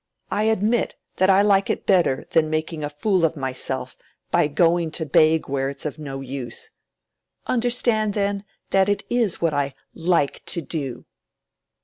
I admit that I like it better than making a fool of myself by going to beg where it's of no use. Understand then, that it is what I _like to do.